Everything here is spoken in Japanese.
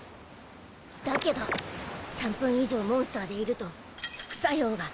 だけど３分以上モンスターでいると副作用が